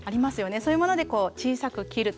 そういうもので小さく切るとか。